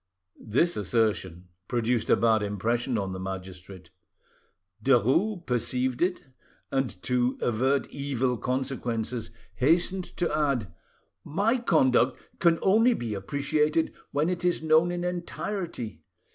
This assertion produced a bad impression on the magistrate. Derues perceived it, and to avert evil consequences, hastened to add— "My conduct can only be appreciated when it is known in entirety.